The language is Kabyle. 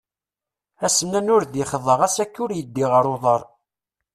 Asennan ur d ixḍa ɣas akka ur yi-iddi ɣer uḍar.